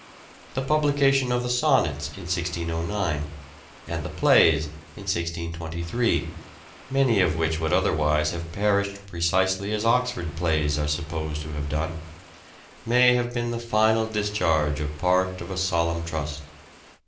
The publication of the Sonnets in 1609 and the plays in 1623, many of which would otherwise have perished precisely as Oxford's plays are supposed to have done, may have been the final discharge of part of a solemn trust.